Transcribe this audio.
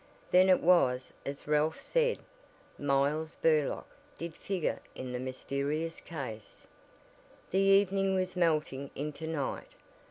Then it was as Ralph said, Miles Burlock did figure in the mysterious case. The evening was melting into night.